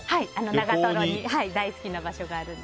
長瀞に大好きな場所があるので。